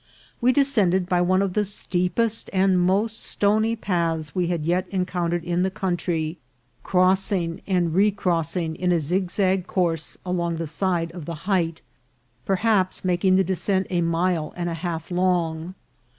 We descended by one of the steepest and most stony paths we had yet encountered in the country, crossing and A SUSPENSION BRIDGE. 241 recrossing in a zigzag course along the side of the height, perhaps making the descent a mile and a half long.